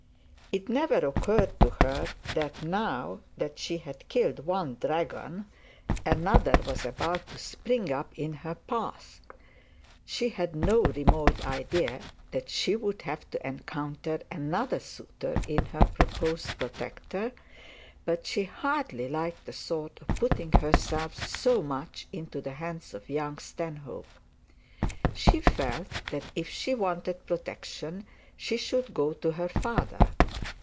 It never occurred to her, that now that she had killed one dragon, another was about to spring up in her path; she had no remote idea that she would have to encounter another suitor in her proposed protector, but she hardly liked the idea of putting herself so much into the hands of young Stanhope. She felt that if she wanted protection, she should go to her father.